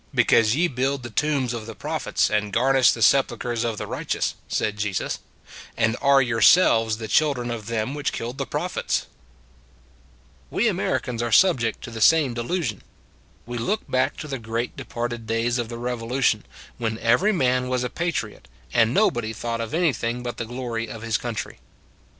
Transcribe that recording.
because ye build the 1 68 It s a Good Old World tombs of the prophets, and garnish the sepulchers of the righteous," said Jesus, " and are yourselves the children of them which killed the prophets." We Americans are subject to the same delusion. We look back to the great departed days of the Revolution, when every man was a patriot, and nobody thought of anything but the glory of his country.